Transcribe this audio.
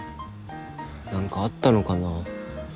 何かあったのかな。